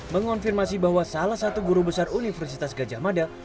mengonfirmasi bahwa salah satu guru besar universitas gajah mada